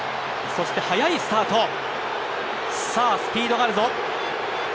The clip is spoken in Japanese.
そして、早いスタート！さあ、スピードがあるぞ。